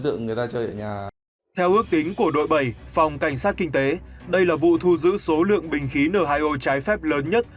theo ước tính của đội bảy phòng cảnh sát kinh tế đây là vụ thu giữ số lượng bình khí n hai o trái phép lớn nhất